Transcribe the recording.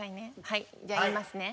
はいじゃあ言いますね。